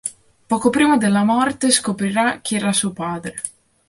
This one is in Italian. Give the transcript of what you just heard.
Poco prima della morte scoprirà chi era suo padre.